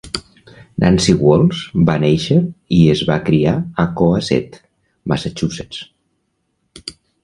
Nancy Walls va néixer i es va criar a Cohasset, Massachusetts.